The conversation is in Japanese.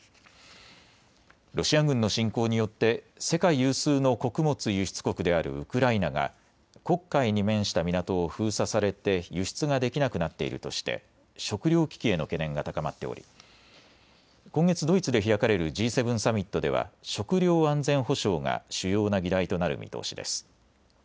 ロシア軍の侵攻によって世界有数の穀物輸出国であるウクライナが黒海に面した港を封鎖されて輸出ができなくなっているとして食糧危機への懸念が高まっており今月ドイツで開かれるＧ７サミットでは食料安全保障が主要な議題となる見通しです。